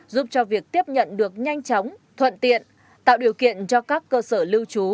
giúp cho việc tiếp nhận được nhanh chóng thuận tiện tạo điều kiện cho các cơ sở lưu trú